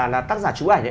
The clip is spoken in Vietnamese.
là tác giả chú ảnh